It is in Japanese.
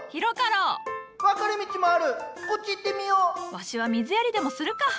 わしは水やりでもするか。